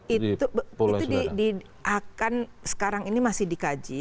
itu akan sekarang ini masih dikaji